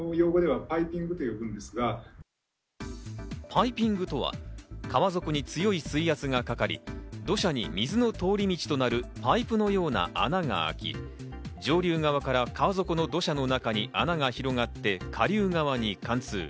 パイピングとは、川底に強い水圧がかかり、土砂に水の通り道となるパイプのような穴が開き、上流側から川底の土砂の中に穴が広がって下流側に貫通。